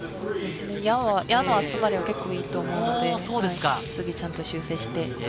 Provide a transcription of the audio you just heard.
矢の集まりは結構いいと思うので、次、修正して。